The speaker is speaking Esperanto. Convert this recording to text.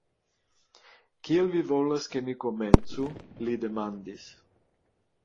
"Kie vi volas ke mi komencu?" li demandis.